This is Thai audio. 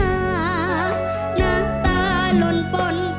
หน้าตาลนปน